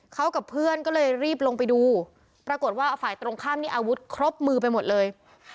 เขากับเพื่อนก็เลยรีบลงไปดูปรากฏว่าฝ่ายตรงข้ามนี่อาวุธครบมือไปหมดเลย